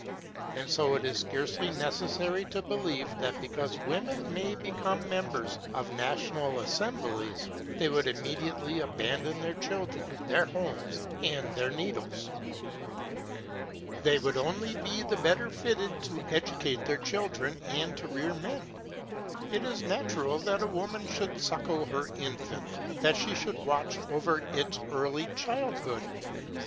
And so it is scarcely necessary to believe that because women may become members of national assemblies, they would immediately abandon their children, their homes, and their needles. They would only be the better fitted to educate their children and to rear men. It is natural that a woman should suckle her infant; that she should watch over its early childhood.